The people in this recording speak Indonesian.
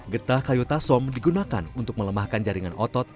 getah kayu tasom digunakan untuk melemahkan jaringan otot